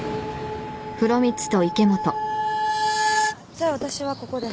じゃあ私はここで。